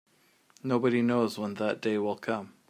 Nobody knows when that day will come.